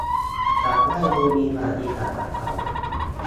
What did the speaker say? จะได้ดูมีประวัติศาสตร์กับเค้า